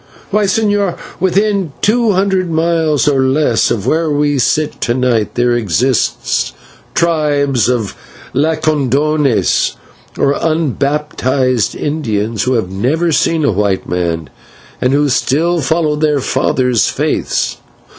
Why, señor, within two hundred miles or less of where we sit to night, there exist tribes of /Lacandones/, or unbaptised Indians, who have never seen a white man and who still follow their fathers' faiths.